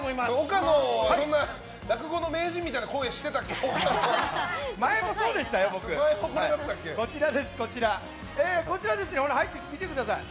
岡野、そんな落語の名人みたいな前もそうでしたよ、僕こちら、見てください。